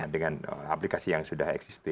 dengan aplikasi yang sudah existing